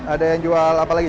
ada yang jual apa lagi